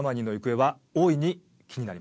はい。